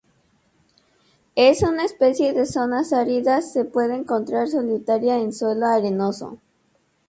Es una especie de zonas áridas, se puede encontrar solitaria en suelo arenoso.